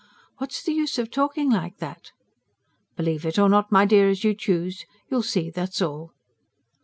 "What is the use of talking like that?" "Believe it or not, my dear, as you choose. You'll see that's all."